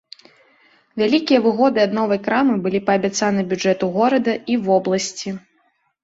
Вялікія выгоды ад новай крамы былі паабяцаны бюджэту горада і вобласці.